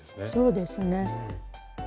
そうですね。